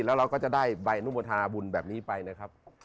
แล้วเราก็จะได้ใบอนุโมทนาบุญแบบนี้ไปนะครับ